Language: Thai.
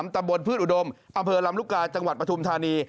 ตำบลพืชอุดมอำเภอลำลูกกาจังหวัดปฐุมธานี